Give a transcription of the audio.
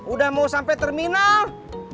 udah mau sampai terminal